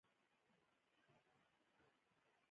د چای نرمه مزه د روح تغذیه ده.